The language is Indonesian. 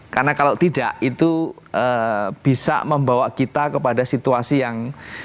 karena kalau tidak itu bisa membawa kita kepada situasi yang